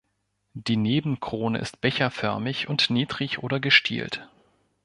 Die Nebenkrone ist becherförmig und niedrig oder gestielt.